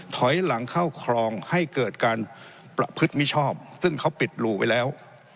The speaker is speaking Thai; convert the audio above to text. ถอยหลังเข้าคลองให้เกิดการประพฤติมิชอบซึ่งเขาปิดรูไปแล้ว